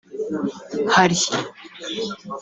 hari